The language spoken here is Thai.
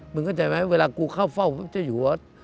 เข้าใจไหมเวลากูเข้าเฝ้าพระเจ้าอยู่วัด